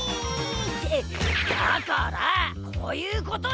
ってだからこういうことじゃ。